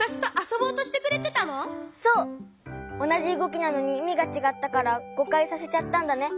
おなじうごきなのにいみがちがったからごかいさせちゃったんだね。